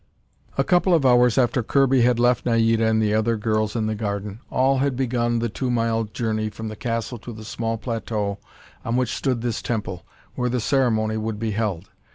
A couple of hours after Kirby had left Naida and the other girls in the garden, all had begun the two mile journey from the castle to the small plateau on which stood this temple, where the ceremony would be held.